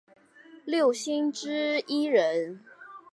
六星之一人。